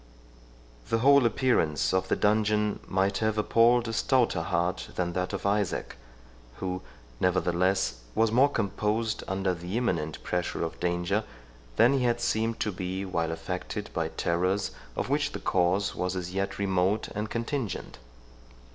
The whole appearance of the dungeon might have appalled a stouter heart than that of Isaac, who, nevertheless, was more composed under the imminent pressure of danger, than he had seemed to be while affected by terrors, of which the cause was as yet remote and contingent.